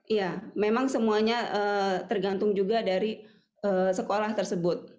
iya memang semuanya tergantung juga dari sekolah tersebut